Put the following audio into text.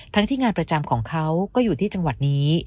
ที่งานประจำของเขาก็อยู่ที่จังหวัดนี้